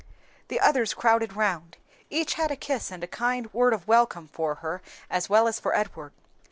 The others crowded round; each had a kiss and kind word of welcome for her as well as for Edward.